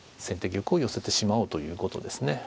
先手玉を寄せてしまおうということですね。